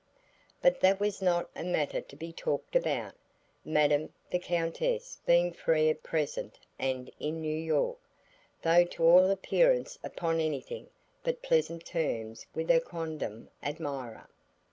But that was not a matter to be talked about, Madame the Countess being free at present and in New York, though to all appearance upon anything but pleasant terms with her quondam admirer.